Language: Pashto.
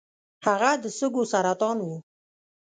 هغه د سږو سرطان و .